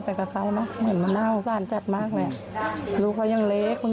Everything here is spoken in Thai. ไม่คิดเลยนะว่าเราพูดร้ายหรือว่าไอ้นั่น